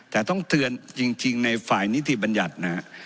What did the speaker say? แต่ต้องเตือนจริงในฝ่ายนิติบัญญัตินะฮะ